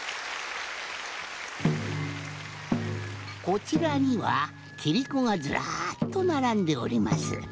こちらにはキリコがずらっとならんでおります。